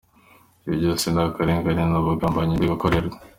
Ibi byose ni akarengane, ni ubugambanyi ndi gukorerwa.